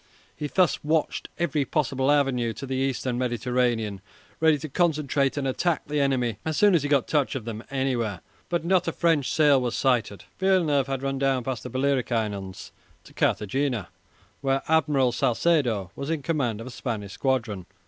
He thus watched every possible avenue to the Eastern Mediterranean, ready to concentrate and attack the enemy as soon as he got touch of them anywhere. But not a French sail was sighted. Villeneuve had run down past the Balearic Islands to Cartagena, where Admiral Salcedo was in command of a Spanish squadron.